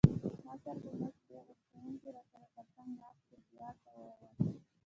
ما سر په مېز کېښود، ښوونکي را سره تر څنګ ناست ټولګیوال ته وویل.